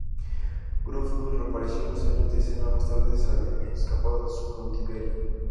Gruffudd reapareció en los años de escena más tarde, habiendo escapado de su cautiverio.